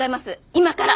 今から。